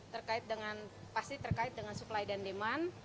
terkait dengan pasti terkait dengan supply dan demand